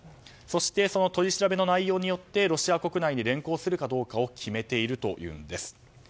そして、取り調べの内容によってロシア国内に連行するかどうかを決めているというんです。